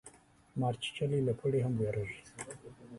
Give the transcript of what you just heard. مار چیچلی له پړي هم ویریږي